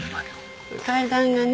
階段がね。